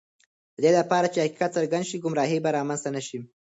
د دې لپاره چې حقیقت څرګند شي، ګمراهی به رامنځته نه شي.